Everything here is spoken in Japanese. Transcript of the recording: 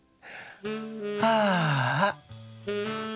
ああ。